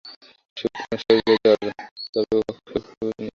সূক্ষ্ম শরীরও জড়, তবে উহা খুব সূক্ষ্ম জড়।